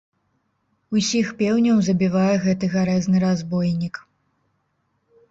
Усіх пеўняў забівае гэты гарэзны разбойнік.